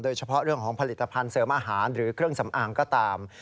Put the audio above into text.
โดยเฉพาะเรื่องของผลิตภัณฑ์เสริมอาหารหรือเครื่องสำอางก็ตาม